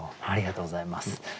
ありがとうございます。